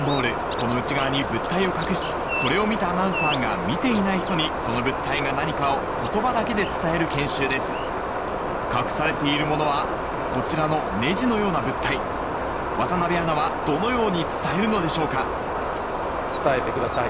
この内側に物体を隠しそれを見たアナウンサーが見ていない人にその物体が何かを言葉だけで伝える研修です隠されているものはこちらのネジのような物体渡アナはどのように伝えるのでしょうか伝えてください